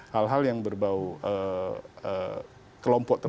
hal hal yang berbau kelompok tertentu